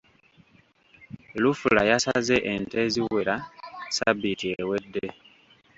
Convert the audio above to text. Lufula yasaze ente eziwera ssabbiiti ewedde.